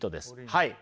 はい。